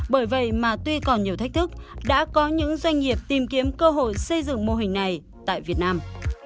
bởi vậy mà tuy còn nhiều thách thức đã có những doanh nghiệp tìm kiếm cơ hội xây dựng mô hình này tại việt nam